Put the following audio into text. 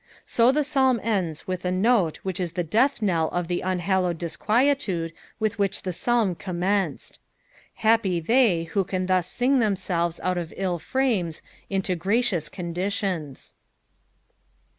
Bo the Psalm ends with a note which is the death knell of the un hallowed disquietude with which the Psalm commenced. Hap|^ they who can thus sing themselves out of ill frames into gracious conditions.